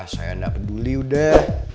saya gak peduli udah